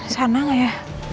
sana gak ya